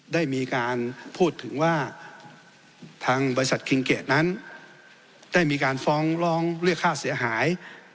ได้มีการพูดถึงว่าทางบริษัทคิงเกดนั้นได้มีการฟ้องร้องเรียกค่าเสียหาย